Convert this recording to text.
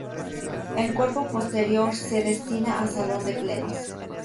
El cuerpo posterior se destina a Salón de Plenos.